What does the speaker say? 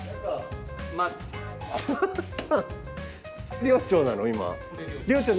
寮長なの今？